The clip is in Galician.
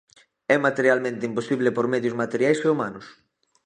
É materialmente imposible por medios materiais e humanos.